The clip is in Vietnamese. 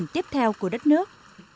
tiếp theo của đất nước